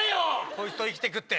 こいつと生きてくって。